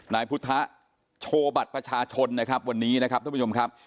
นายพุทธโชว์บัตรประชาชนนะครับวันนี้นะครับท่านผู้ชมครับ